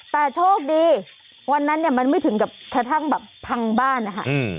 แต่โชคดีวันนั้นเนี่ยมันไม่ถึงกับกระทั่งแบบพังบ้านนะคะ